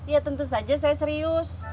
ya tentu saja saya serius